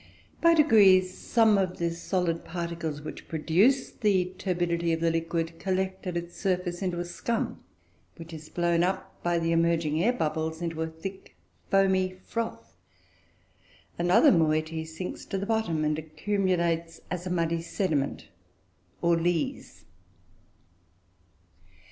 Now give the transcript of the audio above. By degrees, some of the solid particles which produce the turbidity of the liquid collect at its surface into a scum, which is blown up by the emerging air bubbles into a thick, foamy froth. Another moiety sinks to the bottom, and accumulates as a muddy sediment, or "lees."